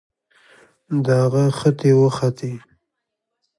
د هغه ختې وختې